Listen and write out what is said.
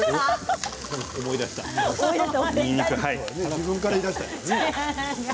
自分から言い出した。